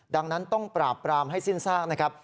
ดังนั้นต้องปราบปรามให้สิ้นซากนะครับ